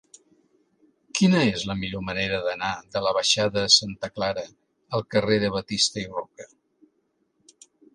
Quina és la millor manera d'anar de la baixada de Santa Clara al carrer de Batista i Roca?